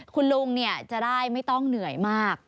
คุณลุงจะได้ไม่ต้องเหนื่อยมาก